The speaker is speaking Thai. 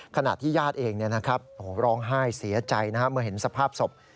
ขณะที่ญาติเองร้องไห้เสียใจเมื่อเห็นสภาพศพ